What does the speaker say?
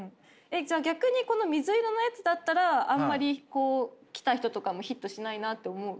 じゃあ逆にこの水色のやつだったらあまり来た人とかもヒットしないなって思う？